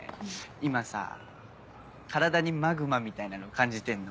今さ体にマグマみたいなのを感じてんの。